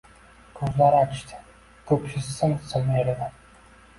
Ko‘zlari achishdi, ko‘ksi sim-sim eridi.